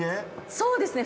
そうですね